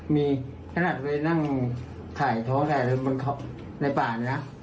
มีขนาดไปนั่งถ่ายโทษในป่านะ